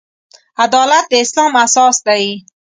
عدالت د اسلام اساس دی.